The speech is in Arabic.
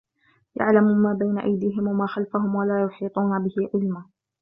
يعلم ما بين أيديهم وما خلفهم ولا يحيطون به علما